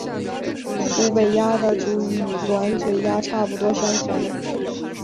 西北鸦的主羽与短嘴鸦差不多相同。